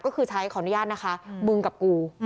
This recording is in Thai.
ก็คือใช้ขออนุญาตนะคะมึงกับกู